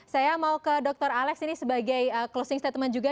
saya mau ke dr alex ini sebagai closing statement juga